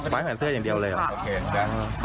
ฝาดหวังเสื้ออย่างเดียวเลยเหรอ